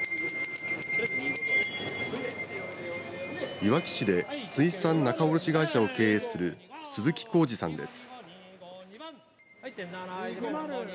いわき市で水産仲卸会社経営する鈴木孝治さんです。